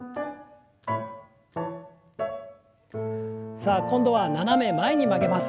さあ今度は斜め前に曲げます。